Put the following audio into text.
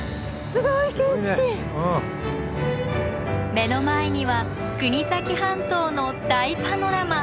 目の前には国東半島の大パノラマ！